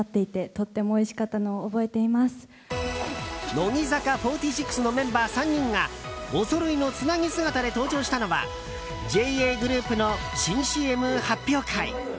乃木坂４６のメンバー３人がおそろいのつなぎ姿で登場したのはＪＡグループの新ＣＭ発表会。